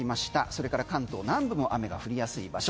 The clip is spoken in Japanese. それから関東南部も雨が降りやすい場所。